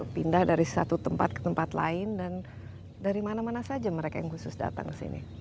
pindah dari satu tempat ke tempat lain dan dari mana mana saja mereka yang khusus datang ke sini